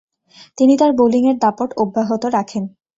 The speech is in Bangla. তিনি তার বোলিংয়ের দাপট অব্যাহত রাখেন।